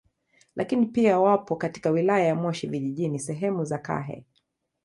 Lakini pia wapo katika wilaya ya Moshi Vijijini sehemu za Kahe